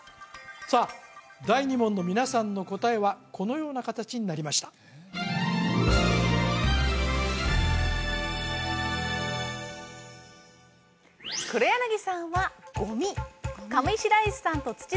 さあ第２問の皆さんの答えはこのような形になりましたさあ